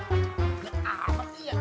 ini apa sih ya